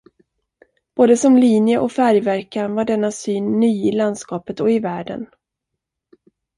Både som linje och färgverkan var denna syn ny i landskapet och i världen.